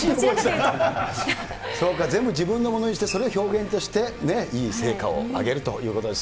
そうか、全部自分のものにして、それを表現として、いい成果を上げるということです。